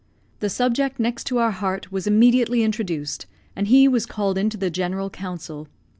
The subject next to our heart was immediately introduced, and he was called into the general council.